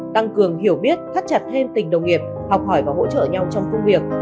tăng cường hiểu biết thắt chặt thêm tình đồng nghiệp học hỏi và hỗ trợ nhau trong công việc